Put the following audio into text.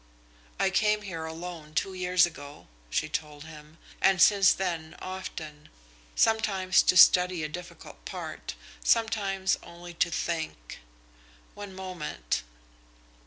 "I came here alone two years ago," she told him, "and since then often, sometimes to study a difficult part, sometimes only to think. One moment."